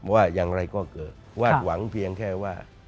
ว่าอย่างไรก็เกิดวาดหวังเพียงแค่ว่า